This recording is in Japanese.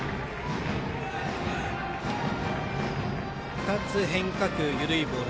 ２つ変化球緩いボール。